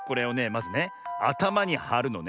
まずねあたまにはるのね。